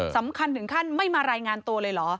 สำคัญถึงขั้นไม่มารายงานตัวเลยเหรอ